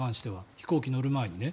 飛行機に乗る前にね。